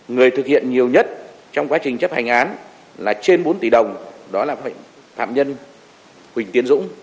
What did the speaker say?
người thực hiện nhiều nhất trong quá trình chấp hành án là trên bốn tỷ đồng đó là phạm nhân huỳnh tiến dũng